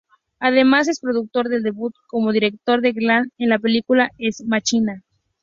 Además es productor del debut como director de Garland en la película "Ex Machina".